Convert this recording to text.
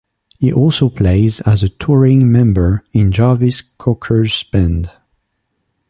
He also plays as a touring member in Jarvis Cocker's band.